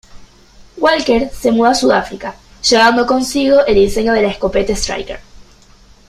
Walker se mudó a Sudáfrica, llevando consigo el diseño de la escopeta Striker.